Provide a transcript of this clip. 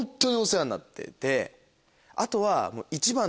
あとは。